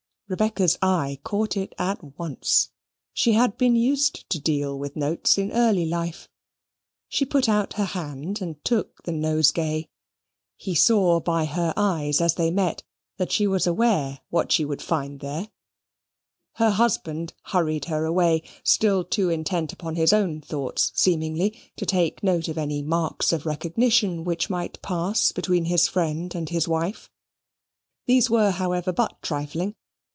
Rebecca's eye caught it at once. She had been used to deal with notes in early life. She put out her hand and took the nosegay. He saw by her eyes as they met, that she was aware what she should find there. Her husband hurried her away, still too intent upon his own thoughts, seemingly, to take note of any marks of recognition which might pass between his friend and his wife. These were, however, but trifling.